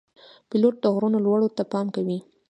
پیلوټ د غرونو لوړو ته پام کوي.